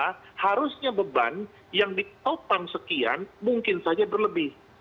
karena seharusnya beban yang ditopang sekian mungkin saja berlebih